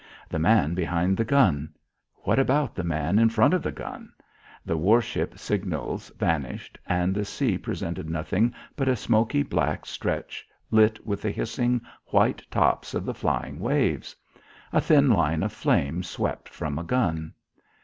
The man behind the gun! What about the man in front of the gun? The war ship signals vanished and the sea presented nothing but a smoky black stretch lit with the hissing white tops of the flying waves. A thin line of flame swept from a gun.